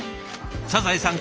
サザエさん